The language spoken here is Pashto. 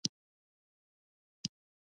په بله ورځ مې غوټې وتړلې.